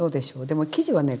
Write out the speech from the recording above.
でも生地はね